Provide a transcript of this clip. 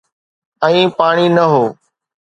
۽ پاڻي نه هو.